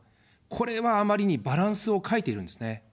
これはあまりにバランスを欠いているんですね。